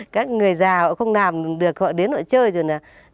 các người già họ không làm được họ đến họ chơi rồi nè